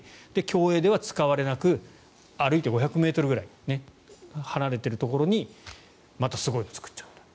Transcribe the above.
競泳では使われなく歩いて５００ｍぐらい離れているところにまたすごいのを作っちゃった。